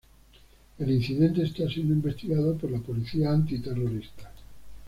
El incidente está siendo investigado por la policía antiterrorista.